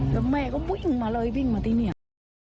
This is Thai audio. แล้วแม่ก็วิ่งมาเลยวิ่งมาที่นี่